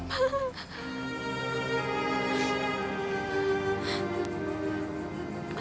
bapak aku